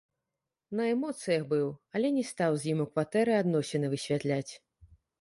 На эмоцыях быў, але не стаў з ім у кватэры адносіны высвятляць.